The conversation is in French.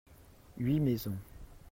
huit maisons.